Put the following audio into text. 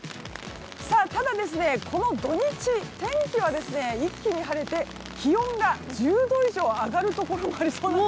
ただ、この土日天気は一気に晴れて気温が１０度以上上がるところもありそうなんです。